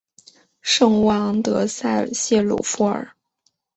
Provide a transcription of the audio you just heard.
圣乌昂德塞谢鲁夫尔。